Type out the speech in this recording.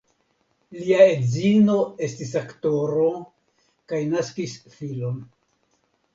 Lia edzino estis aktoro kaj naskis filon.